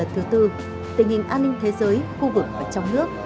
thứ tư tình hình an ninh thế giới khu vực và trong nước